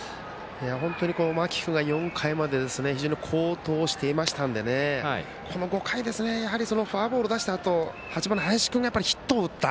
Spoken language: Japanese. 本当に間木君が４回までは非常に好投していましたのでこの５回、フォアボールを出したあと、８番の林君がヒットを打った。